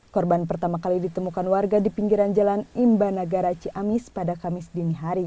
korban pertama kali ditemukan warga di pinggiran jalan imba nagara ciamis pada kamis dinihari